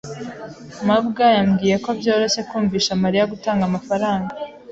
mabwa yambwiye ko byoroshye kumvisha Mariya gutanga amafaranga.